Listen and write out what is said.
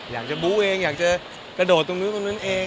บู้เองอยากจะกระโดดตรงนู้นตรงนั้นเอง